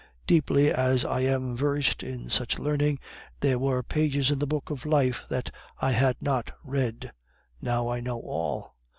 Deeply as I am versed in such learning, there were pages in the book of life that I had not read. Now I know all.